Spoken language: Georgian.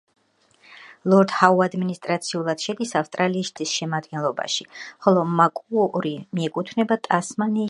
ლორდ-ჰაუ ადმინისტრაციულად შედის ავსტრალიის შტატ ახალი სამხრეთი უელსის შემადგენლობაში, ხოლო მაკუორი მიეკუთვნება ტასმანიის შტატს.